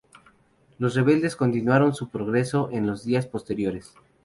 Los rebeldes continuaron su progreso en los días posteriores.